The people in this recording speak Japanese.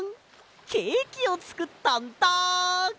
ケーキをつくったんだ！